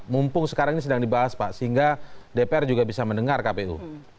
mumpung sekarang ini sedang dibahas pak sehingga dpr juga bisa mendengar kpu